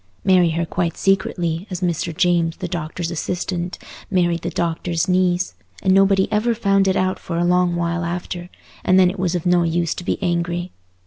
Marry her quite secretly, as Mr. James, the doctor's assistant, married the doctor's niece, and nobody ever found it out for a long while after, and then it was of no use to be angry.